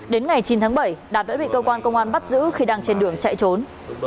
đến ngày chín tháng bảy đạt đã bị cơ quan công an bắt giữ khi đang trên đường chạy trốn